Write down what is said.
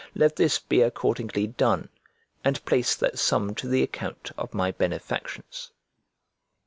Let this be accordingly done; and place that sum to the account of my benefactions."